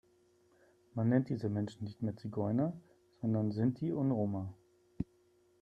Man nennt diese Menschen nicht mehr Zigeuner, sondern Sinti und Roma.